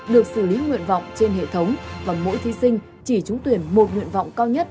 được xử lý nguyện vọng trên hệ thống và mỗi thí sinh chỉ trúng tuyển một nguyện vọng cao nhất